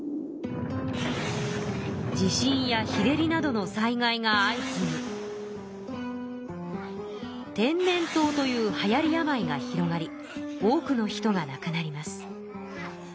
地震や日照りなどの災害が相次ぎてんねんとうというはやり病が広がり多くの人がなくなります。